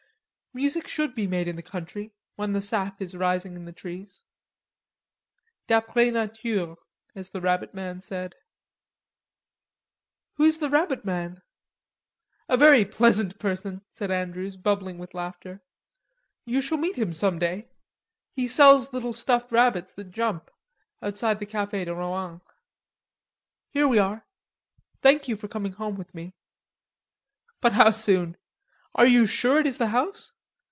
"Music should be made in the country, when the sap is rising in the trees." "'D'apres nature,' as the rabbit man said." "Who's the rabbit man?" "A very pleasant person," said Andrews, bubbling with laughter. "You shall meet him some day. He sells little stuffed rabbits that jump, outside the Cafe de Rohan." "Here we are.... Thank you for coming home with me." "But how soon. Are you sure it is the house?